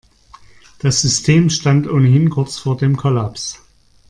Das System stand ohnehin kurz vor dem Kollaps.